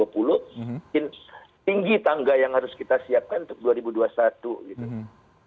mungkin tinggi tangga yang harus kita siapkan untuk dua ribu dua puluh satu gitu